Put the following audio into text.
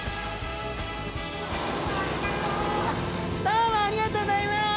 どうもありがとうギョざいます！